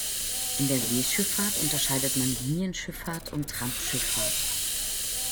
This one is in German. In der Seeschifffahrt unterscheidet man Linienschifffahrt und Trampschifffahrt.